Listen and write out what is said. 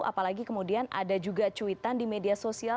apalagi kemudian ada juga cuitan di media sosial